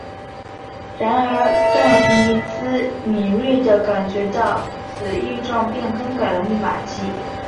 然而邓尼兹敏锐地感觉到此异状并更改了密码机。